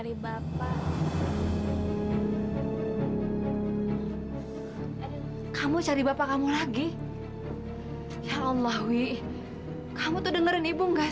sampai jumpa di video selanjutnya